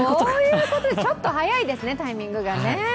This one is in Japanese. ちょっと早いですね、タイミングがね。